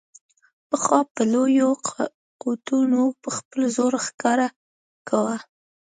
پخوا به لویو قوتونو خپل زور ښکاره کاوه.